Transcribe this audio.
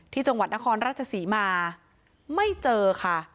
จังหวัดนครราชศรีมาไม่เจอค่ะ